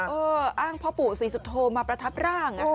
อ้างพ่อปู่ศรีสุโธมาประทับร่าง